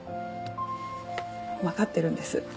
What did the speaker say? わかってるんです。